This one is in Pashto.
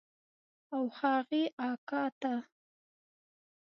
او هغې اکا ته.